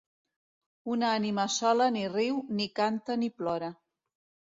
Una ànima sola ni riu, ni canta, ni plora.